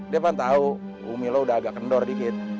dia mah tau umi lo udah agak kendor dikit